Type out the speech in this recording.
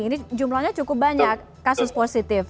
ini jumlahnya cukup banyak kasus positif